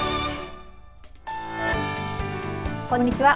こんにちは。